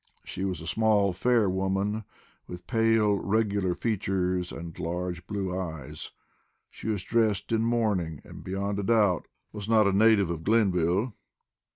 She was a small, fair woman, with pale, regular features and large blue eyes. She was dressed in mourning, and, beyond a doubt, was not a native of Glenville.